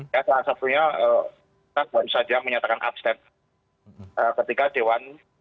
ya salah satunya kita baru saja menyatakan absen ketika dewan